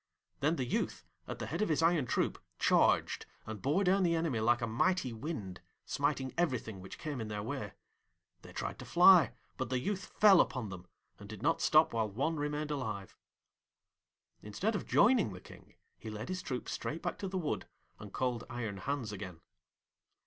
Then the youth, at the head of his iron troop, charged, and bore down the enemy like a mighty wind, smiting everything which came in their way. They tried to fly, but the youth fell upon them, and did not stop while one remained alive. Instead of joining the King, he led his troop straight back to the wood and called Iron Hans again.